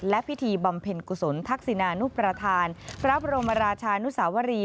และพิธีบำเพ็ญกุศลทักษินานุประธานพระบรมราชานุสาวรี